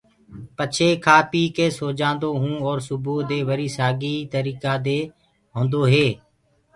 پڇي کآ پيٚڪي سو جآنٚدآ هونٚ اور سُبوئو دي وري سآڳي ترآ دي هوندو هي۔